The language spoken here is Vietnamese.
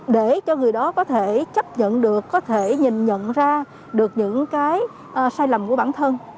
để cho người đó có thể chấp nhận được có thể nhìn nhận ra được những cái sai lầm của bản thân